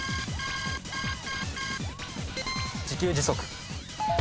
自給自足。